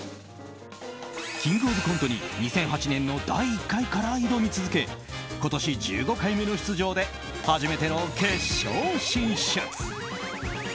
「キングオブコント」に２００８年の第１回から挑み続け今年１５回目の出場で初めての決勝進出。